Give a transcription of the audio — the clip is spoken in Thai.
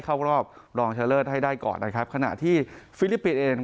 เข้ารอบรองชะเลิศให้ได้ก่อนนะครับขณะที่ฟิลิปปินส์เอง